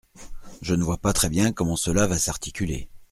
Je ne vois pas très bien comment cela va s’articuler.